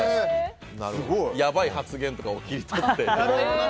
やばい発言とかを切り取って。